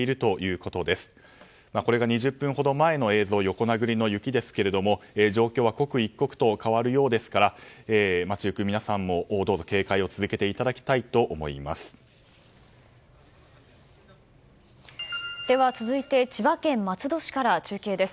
これが２０分ほど前の映像横殴りの雪ですけども状況は刻一刻と変わるようですから街行く皆さんも、どうぞ警戒を続けていただきたいと続いて、千葉県松戸市から中継です。